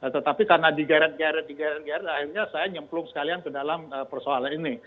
tetapi karena digeret geret di geret akhirnya saya nyemplung sekalian ke dalam persoalan ini